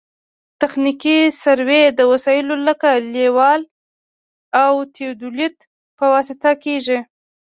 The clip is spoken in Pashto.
تخنیکي سروې د وسایلو لکه لیول او تیودولیت په واسطه کیږي